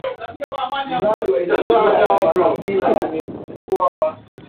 anaona huu ni wakati mwafaka wa wananchi wote kupewa nafasi ya kujiandikisha